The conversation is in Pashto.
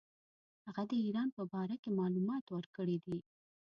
هغه د ایران په باره کې معلومات ورکړي دي.